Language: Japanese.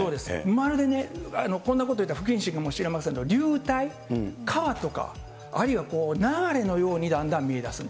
まるでね、こんなこと言ったら不謹慎かもしれませんけれども、流体、川とかあるいは、流れのようにだんだん見えだす。